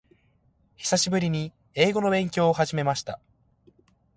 久しぶりに英語の勉強を始めました。